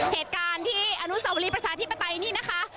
เหตุการณ์ที่อนุสาวรีประชาธิปไตยนี่นะคะ